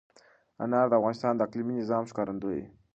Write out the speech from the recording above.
انار د افغانستان د اقلیمي نظام ښکارندوی ده.